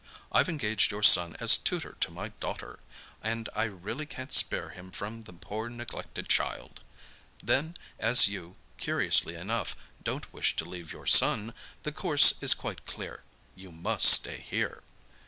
I've engaged your son as tutor to my daughter, and I really can't spare him from the poor neglected child! Then, as you, curiously enough, don't wish to leave your son, the course is quite clear—you must stay here."